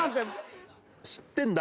知ってんだ。